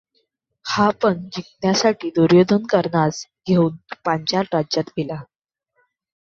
हा पण जिंकण्यासाठी दुर्योधन कर्णास घेऊन पांचाल राज्यात गेला.